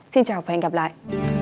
xin chào và hẹn gặp lại